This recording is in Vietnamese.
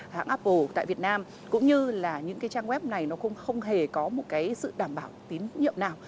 hãng apple tại việt nam cũng như là những trang web này không hề có một sự đảm bảo tín nhiệm nào